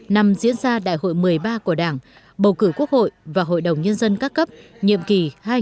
năm diễn ra đại hội một mươi ba của đảng bầu cử quốc hội và hội đồng nhân dân các cấp nhiệm kỳ hai nghìn một mươi sáu hai nghìn hai mươi một